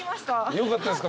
よかったですか？